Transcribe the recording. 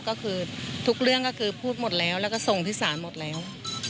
ก็คือทุกเรื่องก็คือพูดหมดแล้วแล้วก็ส่งที่ศาลหมดแล้ว